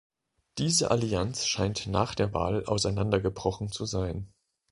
Diese Allianz scheint nach der Wahl auseinander gebrochen zu sein.